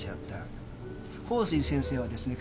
鳳水先生はですね